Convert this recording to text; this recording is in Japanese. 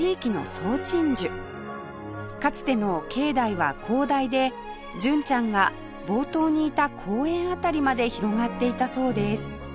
かつての境内は広大で純ちゃんが冒頭にいた公園あたりまで広がっていたそうです